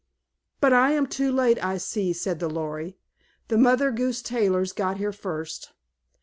"But I am too late, I see," said the Lory. "The Mother Goose Tailors got here first.